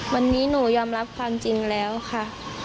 วันนี้หนูยอมรับความจริงแล้วค่ะ